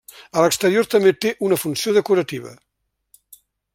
A l'exterior també té una funció decorativa.